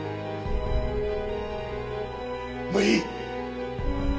もういい！